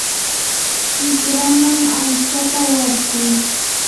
shikraman aytsata warkuy.